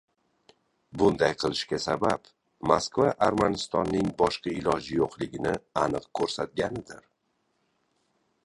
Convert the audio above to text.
Bunday qilishiga sabab, Moskva Armanistonning boshqa iloji yo‘qligini aniq ko‘rsatganidir.